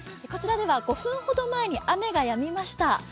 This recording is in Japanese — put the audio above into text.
こちらでは５分ほど前に雨がやみました。